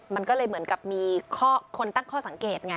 มันก็เลยเหมือนกับมีคนตั้งข้อสังเกตไง